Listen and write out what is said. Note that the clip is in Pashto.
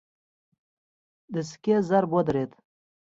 د سکې ضرب ودرېد.